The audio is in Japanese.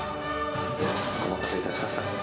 お待たせいたしました。